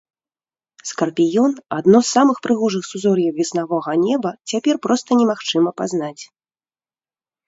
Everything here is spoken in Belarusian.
Скарпіён, адно з самых прыгожых сузор'яў веснавога неба, цяпер проста немагчыма пазнаць.